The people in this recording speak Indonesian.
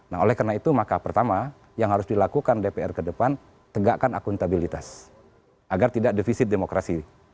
nah oleh karena itu maka pertama yang harus dilakukan dpr ke depan tegakkan akuntabilitas agar tidak defisit demokrasi